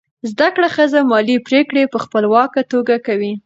زده کړه ښځه مالي پریکړې په خپلواکه توګه کوي.